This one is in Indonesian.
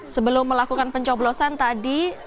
sebelum melakukan pencoblosan tadi